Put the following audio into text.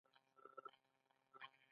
ایا ډیر انتظار مو وکړ؟